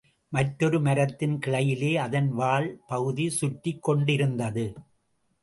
மற்றொரு மரத்தின் கிளையிலே அதன் வால் பகுதி சுற்றிக் கொண்டிருந்தது.